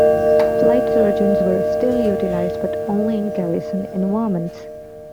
Flight Surgeons were still utilized but only in Garrison environments.